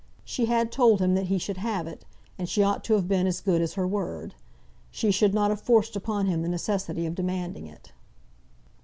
She had told him that he should have it, and she ought to have been as good as her word. She should not have forced upon him the necessity of demanding it.